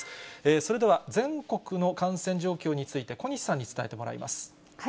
それでは全国の感染状況について、小西さんに伝えてもらいます。